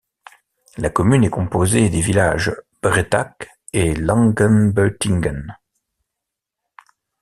La commune est composée des villages Brettach et Langenbeutingen.